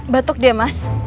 batuk dia mas